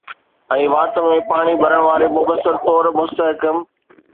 ۽ وات ۾ پاڻي ڀرڻ واري مبصر طور مستحڪم